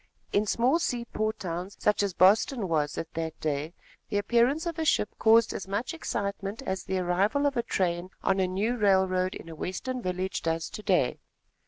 In small seaport towns, such as Boston was at that day, the appearance of a ship caused as much excitement as the arrival of a train on a new railroad in a western village does to day.